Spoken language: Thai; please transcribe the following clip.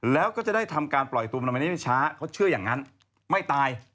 แล้วก็จะได้ทำการปล่อยตัวมันไม่ได้ช้าเขาเชื่ออย่างนั้นไม่ตาย